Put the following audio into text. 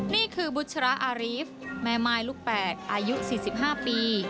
นี่คือบุชราอารีฟแม่ม่ายลูกแปดอายุ๔๕ปี